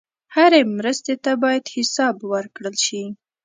هره مرستې ته باید حساب ورکړل شي.